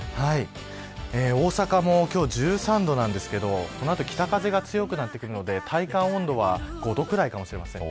大阪も今日は１３度ですがこの後、北風が強くなってくるので体感温度は５度くらいかもしれません。